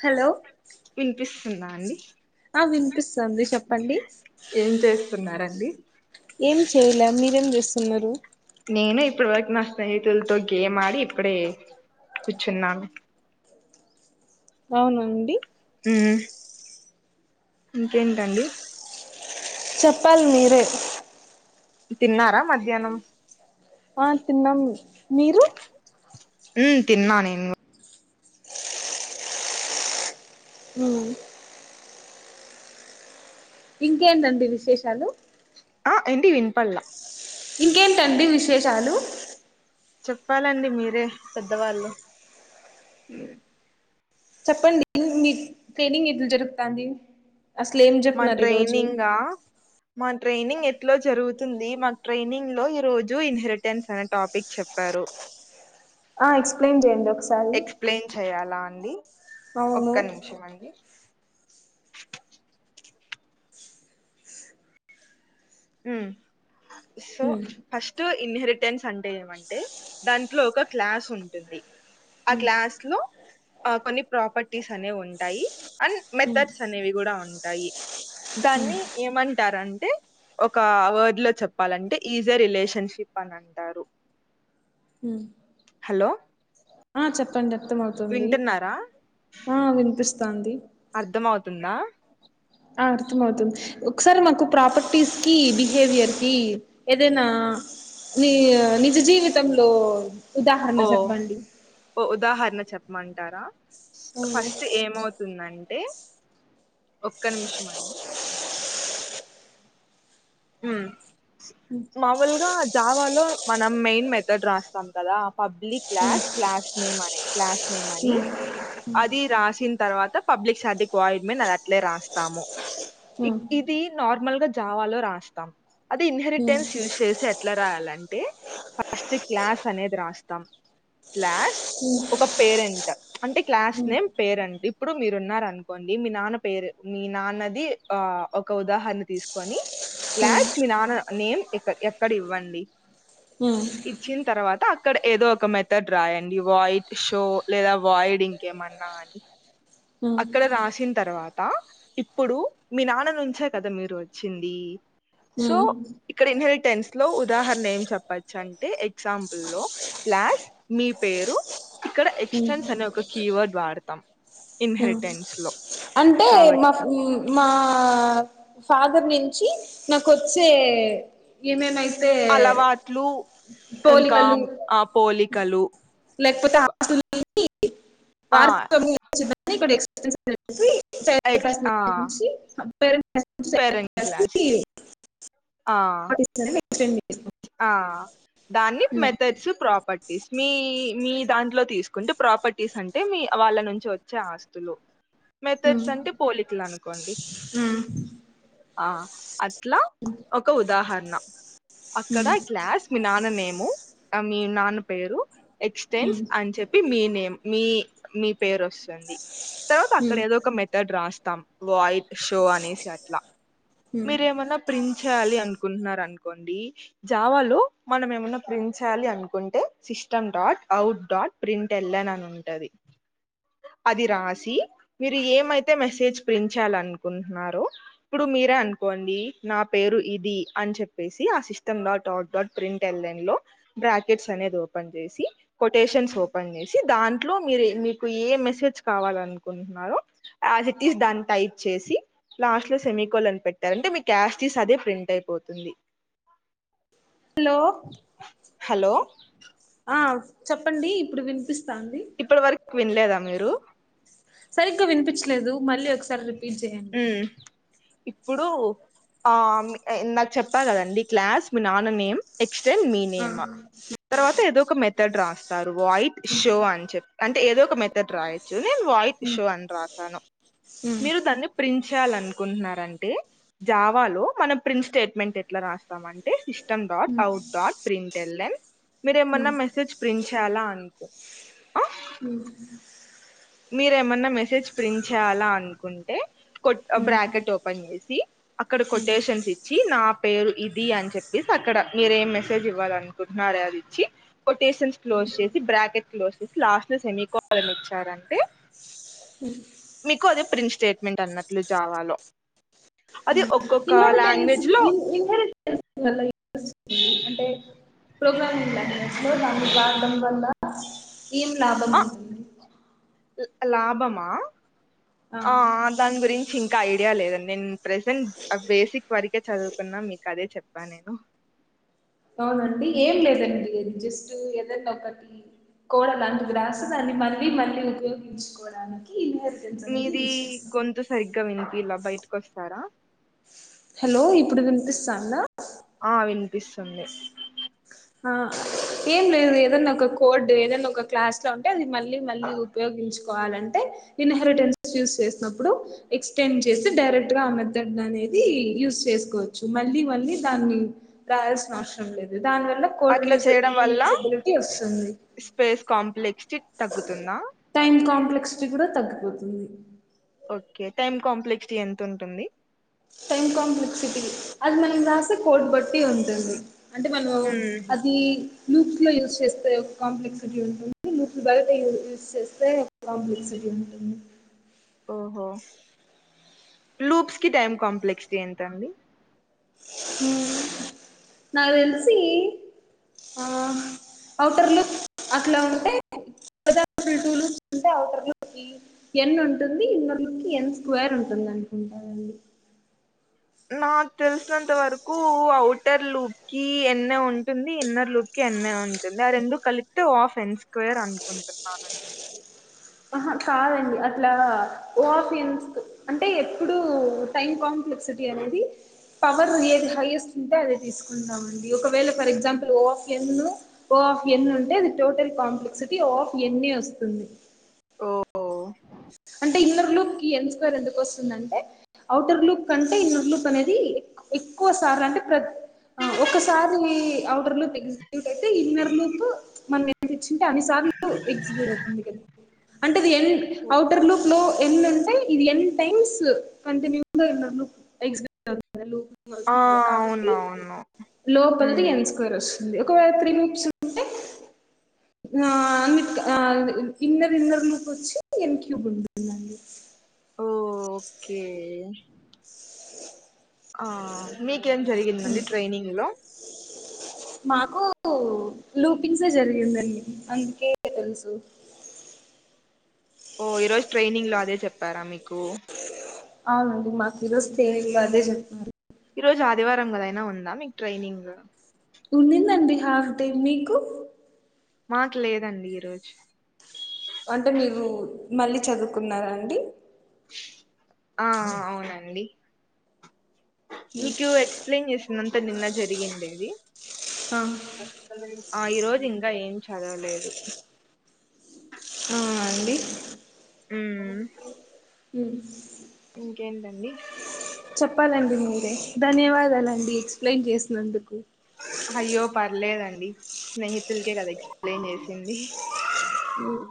Hello వినిపిస్తుందా అండి ఆ వినిపిస్తోంది చెప్పండి ఏం చేస్తున్నారండి ఏం చేయలా మీరేం చేస్తున్నారు నేను ఇప్పటి వరకు నా స్నేహితులతో గేమ్ ఆడి ఇప్పుడే కూర్చున్నాను అవునా అండి ఉం ఇంకేంటండి చెప్పాలి మీరే తిన్నారా మధ్యాహ్నం ఆ తిన్నాం మీరు ఉమ్ తిన్నా నేను హ ఇంకేంటండి విశేషాలు ఎంటి విన్పల్లా ఇంకేంటండి విశేషాలు చెప్పాలండి మీరే పెద్దవాళ్ళు చెప్పండి మీ ట్రేనింగ్ ఎట్లా జరుక్తాంది మా ట్రైనింగ్ గా ట్రైనింగ్ ఎట్లో జరుగుతుంది మాకు ట్రైనింగ్ లో ఈ రోజు ఇన్హెరిటెన్స్ అనే టాపిక్ చెప్పారు ఆ ఎక్స్ప్లెయిన్ చేయండి ఒకసారి ఎక్స్ప్లెయిన్ చేయాలా అండి అవును ఒక్క నిమిషం అండి um so hmm first inheritance అంటే ఏమంటే దాంట్లో ఒక క్లాస్ ఉంటుంది ఆ క్లాస్ లో ఆ కొన్ని ప్రాపర్టీస్ అనేవి ఉంటాయి అండ్ మ్మ్ మెథడ్స్ అనేవి కూడా ఉంటాయి దాన్ని ఏమంటారంటే ఒక వర్డ్ లో చెప్పాలంటే ఈజీ రిలేషన్షిప్ అని అంటారు హ హలో ఆ చెప్పండి అర్థంమవుతుంది వింటున్నారా ఆ వినిపిస్తంది అర్థం అవుతుందా ఆ అర్థం అవుతుంది ఒకసారి మాకు ప్రాపర్టీస్ కి బిహేవియర్ కి ఏదైనా ని నిజ జీవితంలో ఉదాహరణ ఓ చెప్పండి ఓ ఉదాహరణ చెప్ప మ్మంటారా హ్మ్ ఫస్ట్ ఏమవుతుందంటే ఒక్క నిమిషం అండి మ్ మాముూలుగా జావాలో మనం మెయిన్ మెథడ్ రాస్తాం కదా పబ్లిక్ క్లాష్ క్లాష్ నేమ్ అనీ క్లాస్ నేమ్ అని హ్మ్ అది రాసిన తర్వాత తో పబ్లిక్ సార్క్కి పోయిమేది అట్లే రాస్తాము హ్మ్ ఇది నార్మల్ గా జావాలో రాస్త యా అదీ హ్మ్ ఇన్హెరిటెన్స్ యూజ్ చేసి ఎట్లా రాయాలంటే ఫస్ట్ క్లాస్ అనేది రాస్తాం క్లాస్ ఒక పేరెంట్ అంటే క్లాస్ హ్మ్ నేమ్ పేరెంట్ ఇప్పుడు మీరు ఉన్నార అనుకోండి మీ నాన్న పేరు మీ నాన్నది ఆ ఒక ఉదాహరణ తీసుకొని క్లాస్ట్ మీ హ్మ్ నాన్న నేమ్ ఎ ఎక్కడ ఇవ్వండి ఇచ్చిన తర్వాత అక్కడ ఏదో ఒక మెథడ్ రాయండి వైట్ షో లేదా వైట్ ఇంకేమన్నా అని హ్మ్ అక్కడ రాసిన తర్వాత ఇప్పుడు మీ నాన్న నుంచే కదా మీరు వచ్చింది సో హ్మ్ హ్మ్ ఇక్కడ ఇన్హర్ టెన్స్ లో ఉదాహరణ ఏం చెప్పచ్చు అంటే ఎగ్జాంపుల్ లో క్లాస్ మీ పేరు ఇక్కడ హ్మ్ ఎక్స్టెన్స్ అని ఒక కీవర్డ్ వాడతాం మ్ ఇన్హెరిటెన్స్ లో అంటే కాబట్టి మా మా ఆ ఫాదర్ నుంచి నాకొచ్చే ఏమేమయ్ అంటే అలవాట్లు ట పోలి ఇంకా కలు ఆ పోలికలు లే కపోతే ఆస్తుంది [unintelligible] ఆ వ ఎక్స్ ఆ [unintelligible] పేరెంట్ క్లాస్ ఆ [unintelligible] చేస్తాం ఆ దాన్ని మెథడ్స్ ప్రాపర్టీస్ మీ మీ దాంట్లో తీసుకుంటే ప్రాపర్టీ టీస్ అంటే మీ వాళ్ళ నుంచి వచ్చే ఆస్తులు మెథడ్స్ అంటే పోలికలు అనుకోండి ఆ అట్లా ఒక ఉదాహరణ అక్కడ క్లాస్ మీ నాన్న నేము మీ నాన్న పేరు ఎక్స్టెన్స్ అని చెప్పి మీ నేమ్ మీ మీ పేరు వస్తుంది తర్వాత అక్కడ ఏదో ఒక మెథడ్ రాస్తాం వాయిడ్ షో అనేసి అట్లా మీరేమన్నా ప్రింట్ చేయాలి అనుకుంటున్నార అనుకోండి జావాలో మనం ఏమన్నా ప్రింట్ చేయాలి అనుకుంటే system dot out dot print వెళ్ళాలనుంటది అది రాసి మీరు ఏమైతే మెసేజ్ ప్రింట్ చేయాలి అనుకుంటున్నారో ఇప్పుడు మీరే అనుకోండి నా పేరు ఇది అని చెప్పేసి ఆ సిస్ ష్టం లోడాట్ డాట్ ప్రింట్ ఎన్లన్ లో బ్రాకెట్స్ అనేది ఓపెన్ చేసి కొటేషన్స్ ఓపెన్ చేసి సి దాంట్లో మీరు మీకు ఏ మెసేజ్ కావాల అనుకుంటున్నారో యాజ్ టీజ్ దాన్ టైప్ చేసి లాస్ట్ లో సెమికల్ అని పెట్టారంటే మీ యాస్ఇటీస్ అదే ఫ్రింట్ అయిపోతుంది హలో హలో ఆ చెప్పండి ఇప్పుడు వినిపిస్త ఇప్పటి వరకు వినలేదా మీరు సరిగ్గా వినిపించలేదు మళ్ళీ ఒకసారి రిపీట్ చేయండి ఇప్పుడూ ఆ నాకు చెప్పా కదండి క్లాస్ మీ నాన్న నేమ్ స్టిల్ ఆ. మీనేమ్ తర్వాత ఏదో ఒక మెథడ్ రాస్తారు వైట్ షో అని చెప్ప్ అంటే ఏదో ఒక మెథడ్ రాయ్. చ్చ్ నేను వయిట్ షో అని రాసాను మీరు దాన్ని. విశాల్ అనుకుంట్నరంటే జావాలో మన ప్రింట్ స్టేట్మెంట్ ఎట్లా రాస్తామంటే ఇష్. టం డాట్ అవుట్ డాట్ ప్రింట్ ఎలెమ్ మీరు ఏమన్నా మెసేజ్ ప్రింట్ చే. యాలా అనుకో ఆ. ఊహూ. మీరేమన్నా మెసేజ్ ప్రింట్ చేయాలా అనుకుంటే. కొట్ ఆ బ్రాకెట్ ఓపెన్ జేసి అక్కడ కొటేషన్సిచ్చి నా. పేరు ఇది అని చెప్పేసి అక్కడ మీరేం మెసేజ్ ఇవ్వాలనుకుంట్నారే అది ఇచ్చి కొటేషన్స్ క్లో. క్లోజ్ చేసి బ్రాకెట్ క్లోజ్ చేసి లాస్ట్ లో సెమికోలన్ ఇచ్చారంటే. మీకు అదే ప్రింట్ స్టేట్మెంట్ అన్నట్లు జావాలో. అది ఒక్కొక్క ఇన్హెరిటెన్స్ లాంగ్వేజ్లో. ఇన్- [unintelligible] అంటే ప్రోగ్రామింగ్ లాంగ్వేజ్లో దాని వాడం వల్ల. ఏం లాభం ఉంటుంది. లా లాభమా ఆ దాని గురించి ఇంకా ఐడియా లేదండి నేన్. ప్రెజెంట్ ఆ బేసిక్ వరకే చదువుకున్నా మీకు అదే చెప్పా నేను. అవునండి ఏం లేదండి జస్ట్ ఏదనొకటి. కోడ లాంటిది వ్రాసి దాన్ని మళ్ళీ మళ్ళీ ఉపయోగించుకోడానికి. మీది గొంతు సరిగ్గా వినిపియాల బయటికోస్తారా. హాలో ఇప్పుడు వినిపిసందా. ఆ వినిపిసుంది. హా. ఏం లేదు ఏదనా ఒక కోడ్డు ఏదైన్న ఒక క్లాస్ లో ఉంటే అది మళ్ళీ మళ్ళీ ఉపయోగించుకోవాలంటే. ఇన్హెరిటెన్స్ యూస్ చేసినప్పుడు ఎక్స్టెండ్ చేసి డైరెక్ట్ గా ఆ మెథడ్ననేది యూ. సు చేసుకోవచ్చు మళ్లీ మళ్లీ దాన్ని రాయాల్సిన అవసరం లేదు దాన్. కోడు అట్లా యూజ చేయడం వల్ల రియూజబిలిటీ వొసుంది. స్పేస్ కాంప్లెక్స్టీ తగ్గుతుందా టైం కాంప్లెక్సిటీ గూడా తగ్గిపోతుంది. ఒకే టైమ్ కాంప్లెక్సిటీ ఎంతుంటుంది. టైమ్ కాంప్లెక్సిటీ, అది మనం రాసే కోడ్ బట్టి ఉంటుంది. అంటే మనం మ్మ్. అది లూప్స్ లో యూజ్ చేస్తే ఒక కాంప్లెక్సిటీ ఉంటుంది. లూప్స్ బయట యూ యూస్ చేస్తే ఒక కాంప్లెక్సిటీ ఉంటుంది. ఓహో, లూప్స్కి టైమ్ కాంప్లెక్స్టి ఎంతండి. ఊహ్మ్ నాదెల్సి ఆ. అఔటర్ లుక్ అట్లా ఉంటే [unintelligible] ఎన్ ఉంటుంది ఇన్నర్లోకి ఎన్ స్క్వేర్ ఉంటుందనుకుంటానాండి. [inaudible] నాక్ తెలిసినంత వరకు ఔటర్ లుప్కి ఎన్నె ఉంటుంది ఇన్నర్ లుప్కి. ఎన్నె ఉంటుంది ఆ రెండు కలిపితే ఆఫ్ ఎన్ స్క్వేర్ అనుకుంటున్నానండి. ఆహా కాదండి అట్లా ఓ ఆఫ్ యన్స్త్ అంటే ఎప్పుడు టైం కాం. ఓ ఏక్సిటీ అనేది పవర్ ఏది హైయెస్ట్ ఉంటే అదే తీసుకుంటామండి ఒకవేళ for example O. O of n, O of n ఉంటే అది టోటల్ కాంప్లెక్సిటీ ఓ ఆఫ్ ఎన్నే వస్తుంది. ఓఓ. అంటే ఇన్నర్ లుప్కి ఎన్ స్క్వెర్ ఎందుకొసుందంటే అఔటర్ లుప్ కంటే ఇన్నర్ లుప్ అనేది,. ఎక్క్ ఎక్కువ సార్లంటే ప్రత్. ఆ ఒకసారి ఔటర్ లోప్ ఎగ్జిక్యూట్ అయితే ఇన్నర్ లోపు మనం ఏం తెచ్చింటే అన్ని సార్లు ఎగ్జిక్యూట్ అవుతుంది కదా అంటే అది ఎండ్ లుక్ లో ఎండ్ ఉంటే ఇది ఎన్ టైమ్స్ కంటిన్యూ ఎక్సైట్ ఆ అవుతాది కాబట్టి అవునవును లోపలది మ్మ్. ఎన్ స్క్వేర్ వచ్చింది. ఒకవేళ త్రీ మిక్స్ ఉంటే ఆ ఇన్నర్ ఇన్నర్ లుక్ వచ్చి ఎన్ క్యూబ్ ఉంటుంది. అ [inaudible] ఓ ఓకే ఆ మీకేం జరిగిందండి ట్రైనింగ్ లో మాకు లూపింగ్సే జరిగిందండి అందుకే తెలుసు [inaudible] ఓ ఈరోజు ట్రైనింగ్ లో అదే చెప్పారా మీకు అవునండి మాకు ఈరోజు ట్రైనింగ్ లో అదే చెప్తరూ. ఈ రోజు ఆదివారం కదా అయినా ఉందా మీకు ట్రైనింగ్. ఉన్నిందండి హాఫ్ డే మీకు, మాకు లేదండి ఈరోజు అంటే మీరు మళ్ళీ చదువుకున్నారండి. ఆ అవునండి. మీకు ఎక్స్ప్లెయిన్ చేసిందంతా నిన్న జరిగిండేది ఆ ఆ ఈరోజు ఇంకా ఏం చదవలేదు. ఆ అండి. ఉమ్ ఉం ఇంకేంటండి. చెప్పాలండి మీరే ధన్యవాదాలండి ఎక్స్ప్లెయిన్ చేసినందుకు అయ్యో పర్లేదండి స్నేహితులకే కదా ఎక్స్ప్లెయిన్ చేసింది ఉమ్,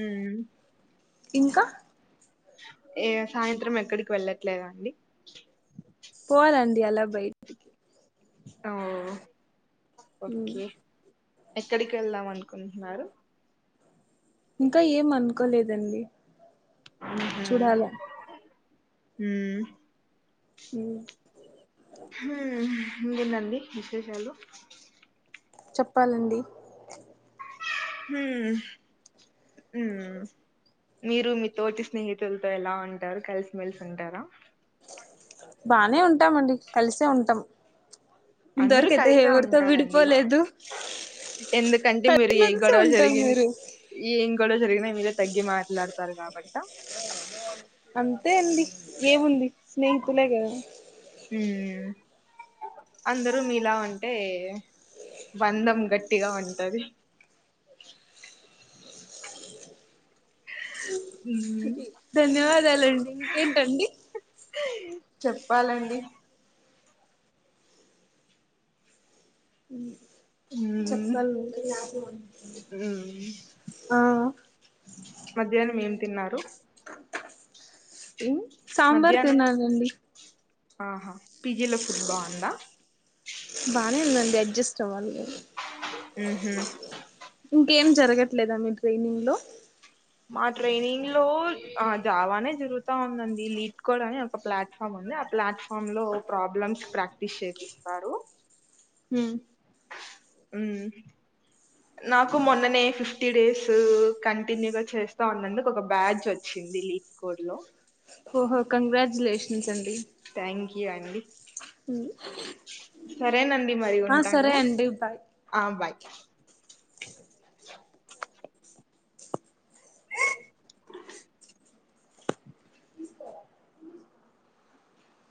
ఉమ్ ఇంకా ఏ సాయంత్రం ఎక్కడికి వెళ్ళట్లేదా అండి పోవాలండి అలా బయటికి ఓ ఉమ్, ఓకే ఎక్కడికి వెళ్దాం అనుకుంటున్నారు కొలేదండి ఊమ్ ఊమ్ హుమ్ ఉమ్, ఉహ్ ఇంతేనండి విశేషాలు చెప్పాలండి హ్మ్ ఉమ్ మీరు మీ తోటి స్నేహితులతో ఎలా ఉంటారు కలిసిమెలిసి ఉంటారా బానే ఉంటామండి కలిసే ఉంటాం అందరూ ఇంతవరకైతే కలిసే ఎవరితో ఉంటారండి విడిపోలేదు ఎందుకంటే థర్టీ మీరు ఏ మంత్సే గొడవ ఉంటారూ జరిగిన్ మీరు ఏం గొడవ జరిగినా మీరే తగ్గి మాట్లాడతారు కాబట్ట అంతే అండి ఏముంది స్నేహి ఆ మ్మ్ అందరూ మీలా ఉంటే బంధం గట్టిగా ఉంటది. మ్ ధన్యవాదాలండి ఇంకేంటండి చెప్పాలండి మ్ హ్మ్ చెప్పాలి ఇంకా ఆ మధ్యాహ్నం ఏం తిన్నారు మ్మ్ సాంబార్ మధ్యాహ్నం తినాలండి ఆహా ఫీజిలో ఫుడ్ బావుందా దే అడ్జస్ట్ అవ్వాలిగ ఉహ్మ్ ఇంకేం జరగట్లేదా మీ ట్రైనింగ్ లో మా ట్రైనింగ్ లో ఆ జావానే జరుగుతా ఉందండి. లీడ్కోడ్ అని ఒక ఫ్లాట్ఫాము ఉందే ఆ ప్లాట్ ఫామ్ లో ప్రాబ్లమ్స్ ప్రాక్టీస్ చేపిస్తారు. హ్మ్ మ్మ్ నాకు మొన్ననే ఫిఫ్టీ డేస్ కంటిన్యూగా చేస్తా ఉన్నందుకు ఒక బ్యాజ్ వచ్చిన్ ది లీప్కోడ్ లో ఓహో కంగ్రాచ్యులేషన్స్ అన్ థ్యాంక్ యూ అండి అండి సరేనండి మరి ఆ ఉంటాను సరే బాయ్ ఆ బాయ్